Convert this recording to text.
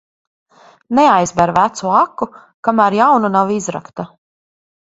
Neaizber vecu aku, kamēr jauna nav izrakta.